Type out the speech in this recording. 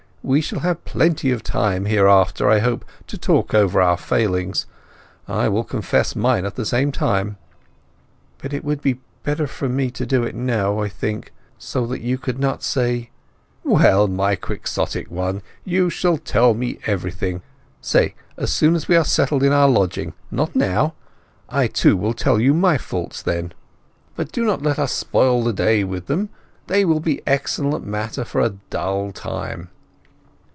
"We shall have plenty of time, hereafter, I hope, to talk over our failings. I will confess mine at the same time." "But it would be better for me to do it now, I think, so that you could not say—" "Well, my quixotic one, you shall tell me anything—say, as soon as we are settled in our lodging; not now. I, too, will tell you my faults then. But do not let us spoil the day with them; they will be excellent matter for a dull time."